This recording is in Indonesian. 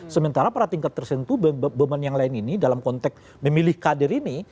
sementara pada tingkat tersentuh beban yang lain ini dalam konteks memilih kader ini